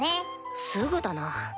すぐだな。